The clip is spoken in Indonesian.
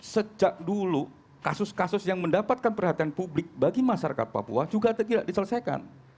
sejak dulu kasus kasus yang mendapatkan perhatian publik bagi masyarakat papua juga tidak diselesaikan